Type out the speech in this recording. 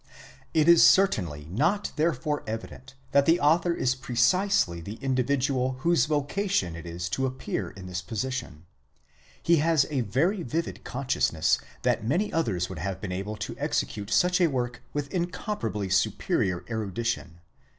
It is certainly not therefore evident that the author is precisely the indi vidual whose vocation it is to appear in this position. He has a very vivid consciousness that many others would have been able to execute such a work with incomparably superior erudition.